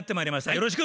よろしく。